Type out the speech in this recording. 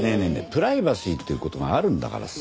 プライバシーっていう事があるんだからさ。